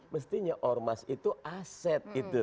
mestinya ormas itu aset